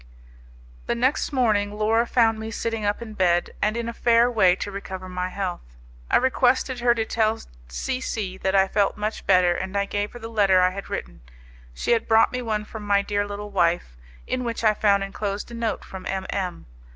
The next morning Laura found me sitting up in bed, and in a fair way to recover my health. I requested her to tell C C that I felt much better, and I gave her the letter I had written. She had brought me one from my dear little wife, in which I found enclosed a note from M M